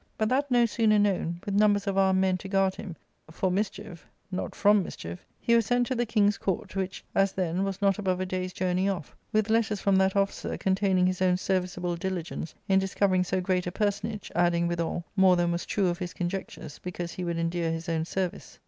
But that no sooner known, with numbers of armed men to guard him — for mischief, not from mischief— he was sent to the king's court, which, as then, was not above a day's journey off, with letters from that officer containing his own serviceable diligence in discovering so great a personage, adding, withal, more than was true of his conjectures, because he would endear his own service.